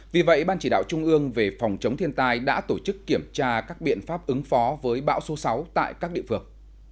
vì vậy ban chỉ đạo trung ương về phòng chống thiên tai đã tổ chức kiểm tra các biện pháp ứng phó với bão số sáu tại các địa phương